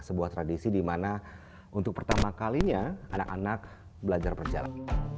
sebuah tradisi di mana untuk pertama kalinya anak anak belajar berjalan